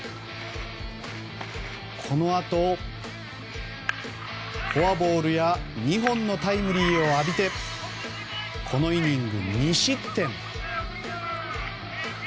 このあと、フォアボールや２本のタイムリーを浴びてこのイニング２失点。